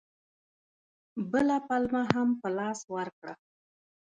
بله پلمه هم په لاس ورکړه.